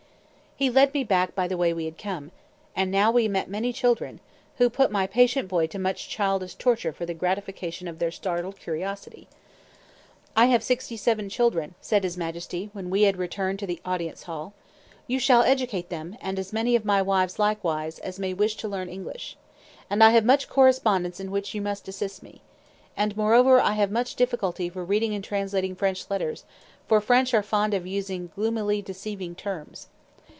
He led me back by the way we had come; and now we met many children, who put my patient boy to much childish torture for the gratification of their startled curiosity. "I have sixty seven children," said his Majesty, when we had returned to the Audience Hall. "You shall educate them, and as many of my wives, likewise, as may wish to learn English. And I have much correspondence in which you must assist me. And, moreover, I have much difficulty for reading and translating French letters; for French are fond of using gloomily deceiving terms.